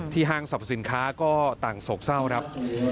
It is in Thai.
ห้างสรรพสินค้าก็ต่างโศกเศร้าครับ